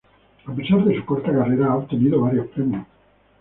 A pesar de su corta carrera ha obtenido varios premios.